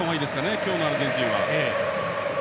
今日のアルゼンチンは。